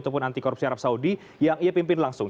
ataupun antikorupsi arab saudi yang ia pimpin langsung